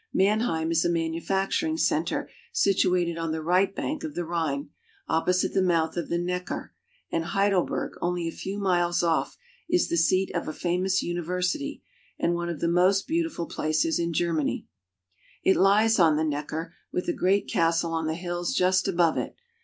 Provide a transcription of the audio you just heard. Mannheim is a manufacturing center situated on the right bank of the Rhine, opposite the mouth of the Neckar, and Heidelberg, only a few miles off, is the seat of a famous university, and one of the most beautiful places in Ger many. UP THE RHINE TO SWITZERLAND. 247 It lies on the Neckar, with a great castle on the hills just above it.